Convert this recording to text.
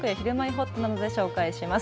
ほっとで紹介します。